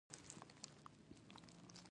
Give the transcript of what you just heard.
پاکوالی ولې د ایمان برخه ده؟